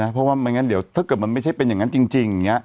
เพราะว่าถ้าเกิดมันไม่ใช่เป็นอย่างนั้นจริง